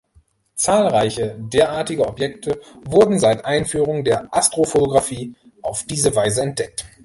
Zahlreiche derartige Objekte wurden seit Einführung der Astrofotografie auf diese Weise entdeckt.